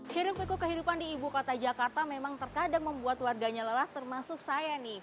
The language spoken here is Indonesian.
hidup pikuk kehidupan di ibu kota jakarta memang terkadang membuat warganya lelah termasuk saya nih